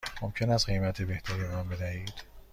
ممکن است قیمت بهتری به من بدهید؟